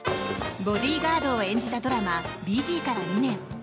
ボディーガードを演じたドラマ「ＢＧ」から２年。